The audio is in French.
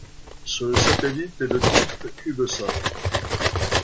Ce satellite est de type Cubesat.